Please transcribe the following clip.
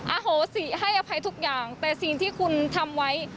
อโหสิให้อภัยทุกอย่างแต่สิ่งที่คุณทำไว้